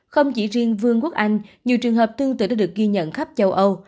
không chỉ riêng vương quốc anh nhiều trường hợp tương tự đã được ghi nhận khắp châu âu